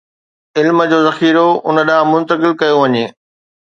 علم جو ذخيرو ان ڏانهن منتقل ڪيو وڃي